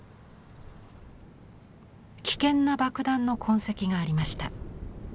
危険な爆弾の痕跡がありました。